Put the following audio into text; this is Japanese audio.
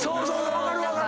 分かる分かる。